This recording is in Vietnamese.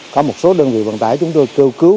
có một số đơn vị vận tải chúng tôi kêu cứu